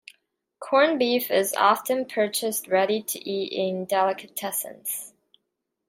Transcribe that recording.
Corned beef is often purchased ready to eat in delicatessens.